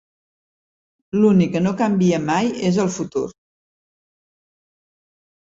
L'únic que no canvia mai és el futur.